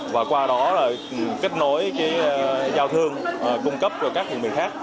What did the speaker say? và qua đó kết nối giao thương cung cấp cho các vùng mình khác